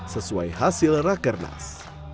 sesuai hasil rakernas